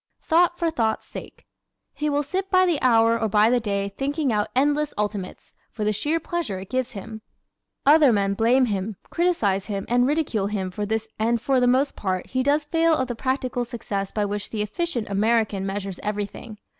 Thought for Thought's Sake ¶ He will sit by the hour or by the day thinking out endless ultimates, for the sheer pleasure it gives him. Other men blame him, criticise him and ridicule him for this and for the most part he does fail of the practical success by which the efficient American measures everything.